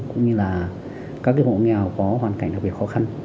cũng như là các hộ nghèo có hoàn cảnh đặc biệt khó khăn